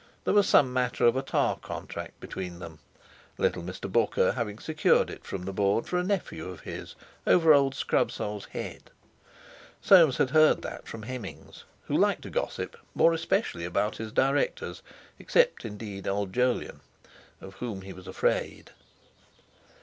There was some matter of a tar contract between them, little Mr. Booker having secured it from the Board for a nephew of his, over old Scrubsole's head. Soames had heard that from Hemmings, who liked a gossip, more especially about his directors, except, indeed, old Jolyon, of whom he was afraid.